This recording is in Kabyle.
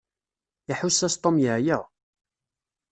Iḥuss-as Tom yeɛya.